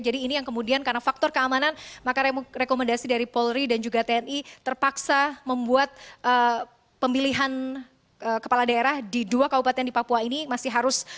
jadi ini yang kemudian karena faktor keamanan maka rekomendasi dari polri dan juga tni terpaksa membuat pemilihan kepala daerah di dua kabupaten di papua ini masih harus dilakukan